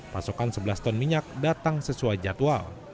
pasokan sebelas ton minyak datang sesuai jadwal